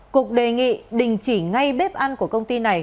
cục đề nghị đình chỉ ngay bếp ăn của công ty này